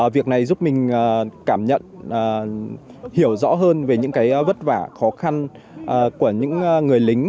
việc này giúp mình cảm nhận hiểu rõ hơn về những cái vất vả khó khăn của những người lính